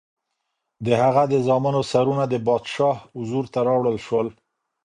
د هغه د زامنو سرونه د پادشاه حضور ته راوړل شول.